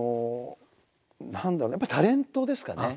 何だろうやっぱタレントですかね。